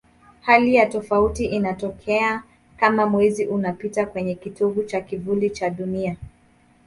Hali ya tofauti inatokea kama Mwezi unapita kwenye kitovu cha kivuli cha Dunia.